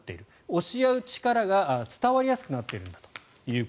押し合う力が伝わりやすくなっているんだと。